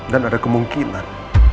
dan ada kemungkinan